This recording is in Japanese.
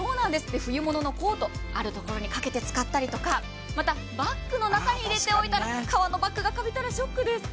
冬物のコートあるところにかけて使ったりとか、またバッグの中に入れておいたら、革のバッグがかびたらショックです。